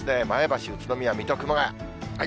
前橋、宇都宮、水戸、熊谷。